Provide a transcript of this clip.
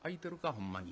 ほんまに」。